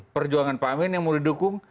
perjuangan pak amin yang mau didukung